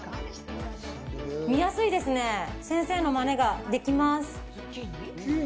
見やすいですね先生のマネができます